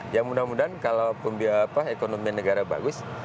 ya mudah mudahan kalau ekonomi negara bagus